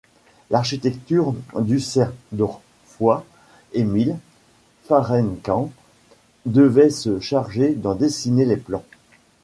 L'architecte dusseldorfois Emil Fahrenkamp devait se charger d'en dessiner les plans.